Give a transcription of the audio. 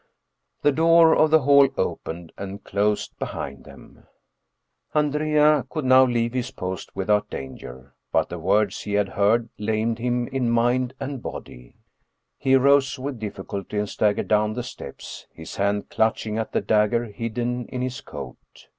The door of the hall opened and closed behind them. 77 German Mystery Stories Andrea could now leave his post without danger, but the words he had heard lamed him in mind and body. He arose with difficulty and staggered down the steps, his hand clutching at the dagger hidden in his coat.